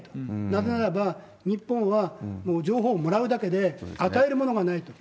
なぜならば、日本は情報をもらうだけで、与えるものがないと。